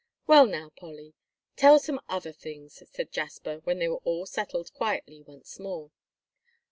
"Well now, Polly, tell some other things," said Jasper, when they were all settled quietly once more.